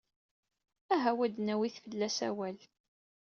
Aha-w ad d-nawit fell-as awal.